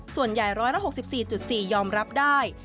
ส่วนใหญ่ร้อยละ๖๔๔ยอมรับได้